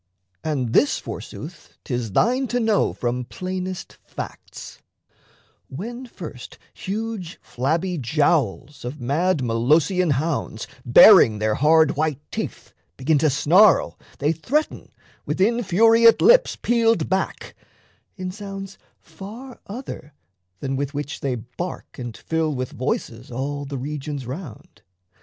And this, forsooth, 'Tis thine to know from plainest facts: when first Huge flabby jowls of mad Molossian hounds, Baring their hard white teeth, begin to snarl, They threaten, with infuriate lips peeled back, In sounds far other than with which they bark And fill with voices all the regions round.